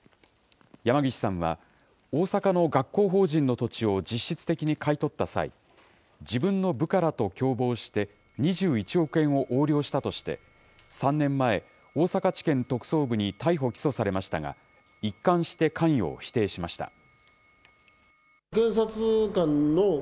山岸さんは、大阪の学校法人の土地を実質的に買い取った際、自分の部下らと共謀して、２１億円を横領したとして、３年前、大阪地検特捜部に逮捕・起訴されましたが、一貫して関与を否定しました。